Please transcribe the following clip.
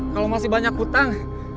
kalau masih banyak hutang